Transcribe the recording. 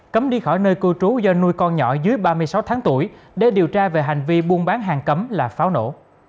cấm đi khỏi nơi cư trú do nuôi con nhỏ dưới ba mươi sáu tháng tuổi để điều tra về hành vi buôn bán hàng cấm là pháo nổ